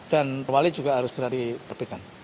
dan perwali juga harus berarti terbitkan